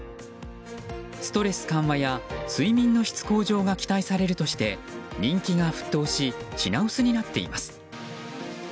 ストレス緩和や睡眠の質向上が期待されるとして人気が沸騰し品薄になっています。